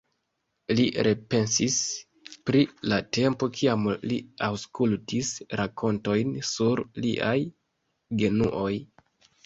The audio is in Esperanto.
Li repensis pri la tempo, kiam li aŭskultis rakontojn sur liaj genuoj.